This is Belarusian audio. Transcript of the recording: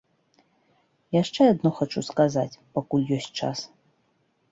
Яшчэ адно хачу сказаць, пакуль ёсць час.